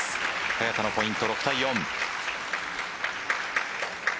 早田のポイント６対４。